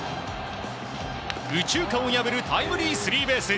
右中間を破るタイムリースリーベース。